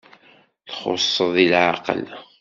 Txuṣṣeḍ deg leɛqel!